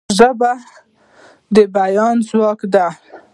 ژبه د بیان ځواک ده.